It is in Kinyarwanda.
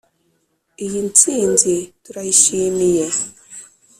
iyi nsinzi turayishimiye.